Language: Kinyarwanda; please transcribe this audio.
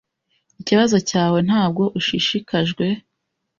Ikibazo cyawe ntabwo ushishikajwe